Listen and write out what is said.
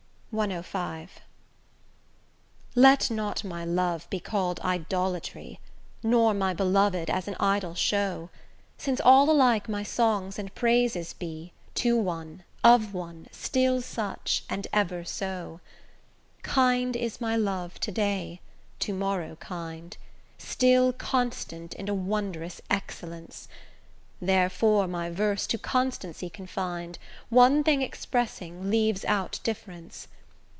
CV Let not my love be call'd idolatry, Nor my beloved as an idol show, Since all alike my songs and praises be To one, of one, still such, and ever so. Kind is my love to day, to morrow kind, Still constant in a wondrous excellence; Therefore my verse to constancy confin'd, One thing expressing, leaves out difference.